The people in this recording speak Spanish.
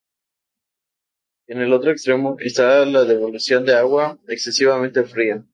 En el otro extremo está la devolución de agua excesivamente fría.